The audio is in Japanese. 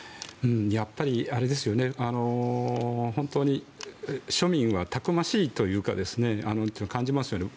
やっぱり、本当に庶民はたくましいというのを感じますよね。